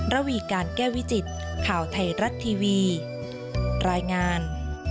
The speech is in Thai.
ระวีการแก้วิจิตข่าวไทยรัฐทีวีรายงาน